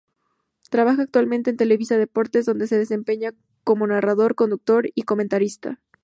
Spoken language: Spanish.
Trabaja actualmente en Televisa Deportes donde se desempeña como narrador, conductor y comentarista.